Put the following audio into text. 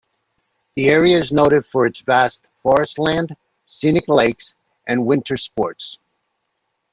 The area is noted for its vast forest land, scenic lakes, and winter sports.